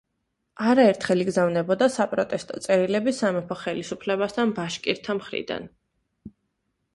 არაერთხელ იგზავნებოდა საპროტესტო წერილები სამეფო ხელისუფლებასთან ბაშკირთა მხრიდან.